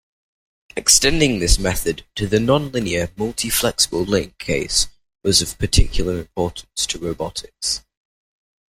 Extending this method to the nonlinear multi-flexible-link case was of particular importance to robotics.